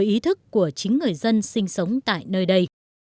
ý thức của chính người dân sinh sống tại nơi đây